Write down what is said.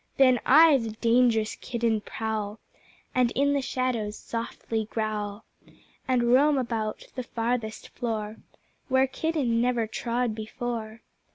Then I, the Dangerous Kitten, prowl And in the Shadows softly growl, And roam about the farthest floor Where Kitten never trod before.